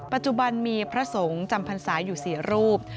ปัจจุบันมีพระสงฆ์จำพรรษาอยู่๔รูป